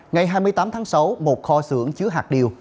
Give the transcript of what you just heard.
ngày hai mươi tám tháng sáu một kho xưởng chứa hạt điều